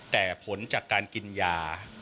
แต่ผลจากการกินยา